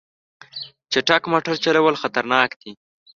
چټک موټر چلول خطرناک دي.